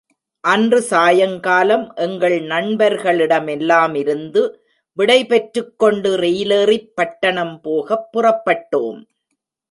அன்று சாயங்காலம் எங்கள் நண்பர்களிடமெல்லாமிருந்து விடைபெற்றுக் கொண்டு ரெயிலேறிப் பட்டணம் போகப் புறப்பட்டோம்.